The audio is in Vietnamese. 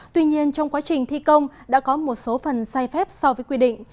tuy nhiên trong quá trình thi công đã có một số phần sai phép so với quy định